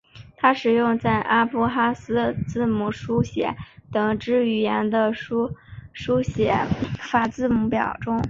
它使用在阿布哈兹字母书写法等之语言的书写法字母表中。